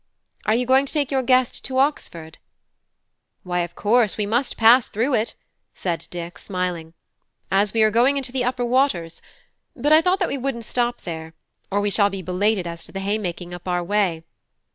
Are you going to take your guest to Oxford?" "Why, of course we must pass through it," said Dick, smiling, "as we are going into the upper waters: but I thought that we wouldn't stop there, or we shall be belated as to the haymaking up our way.